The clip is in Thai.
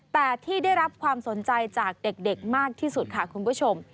แต่ที่ได้รับความสนใจจากเด็กมากที่สุดค่ะคุณผู้ชม